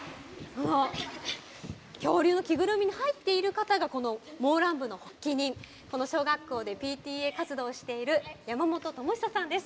恐竜の着ぐるみに入っている方が、このモーラン部の発起人、この小学校でＰＴＡ活動をしている山本知永さんです。